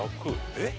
えっ？